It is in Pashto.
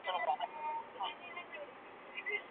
په ګرمه هوا کې احتیاط ډېر مهم دی.